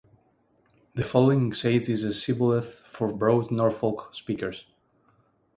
The following exchange is a shibboleth for Broad Norfolk speakers.